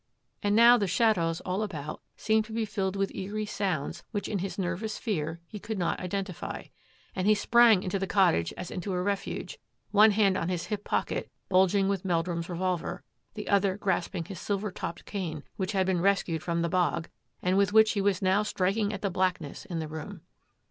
And now the shadows all about seemed to be filled with eerie sounds which in his nervous fear he could not identify, and he sprang into the cottage as into a refuge, one hand on his hip pocket, bulging with Meldrum's re volver, the other grasping his silver topped cane, which had been rescued from the bog, and with which he was now striking at the blackness in the room.